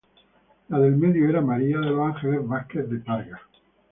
La del medio era María de los Ángeles Vázquez de Parga.